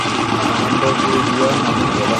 মহেন্দ্র সিঁড়ি দিয়া নামিয়া গেল।